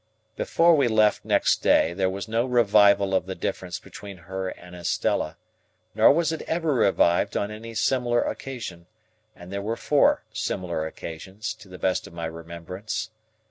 Before we left next day, there was no revival of the difference between her and Estella, nor was it ever revived on any similar occasion; and there were four similar occasions, to the best of my remembrance.